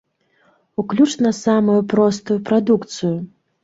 Уключна самую простую прадукцыю.